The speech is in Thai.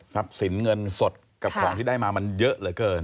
สินเงินสดกับของที่ได้มามันเยอะเหลือเกิน